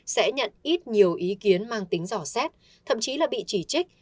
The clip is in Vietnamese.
sẽ nhận ít nhiều ý kiến mang tính dò xét thậm chí là bị chỉ trích